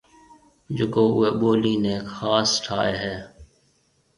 جڪو اُوئي ٻولِي نَي خاص ٺاهيَ هيَ۔